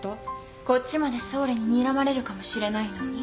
こっちまで太陽ににらまれるかもしれないのに？